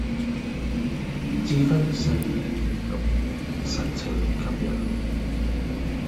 志勳細意閱讀，神情吸引